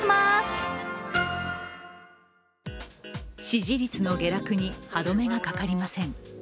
支持率の下落に歯止めがかかりません。